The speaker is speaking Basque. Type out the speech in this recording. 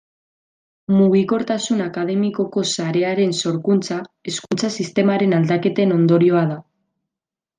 Mugikortasun akademikoko sarearen sorkuntza hezkuntza sistemaren aldaketen ondorioa da.